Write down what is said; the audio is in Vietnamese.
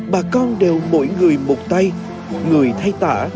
bà con đều mỗi người một tay người thay tả